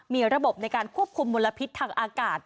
มีระบบในการควบคุมมลพิษทางอากาศ